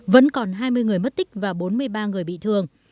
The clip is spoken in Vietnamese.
mất tích và bốn mươi ba người bị thương